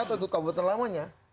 atau itu kabupaten lamanya